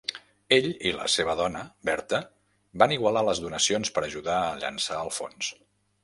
Ell i la seva dona, Bertha, van igualar les donacions per ajudar a llançar el fons.